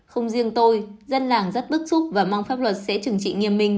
không riêng tôi dân làng rất bức xúc và mong pháp luật sẽ trừng trị nghiêm minh